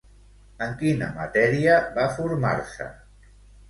En quina matèria va formar-se?